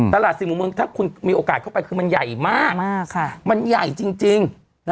สี่หมู่เมืองถ้าคุณมีโอกาสเข้าไปคือมันใหญ่มากมันใหญ่จริง